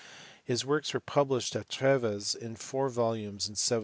His works were published at Treves in four volumes in 1758.